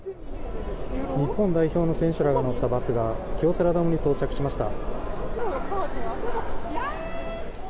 日本代表の選手らが乗ったバスが京セラドームに到着しました。